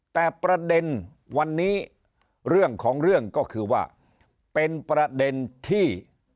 แต่ประเด็นวันนี้เรื่องของเรื่องก็คือว่าเป็นประเด็นที่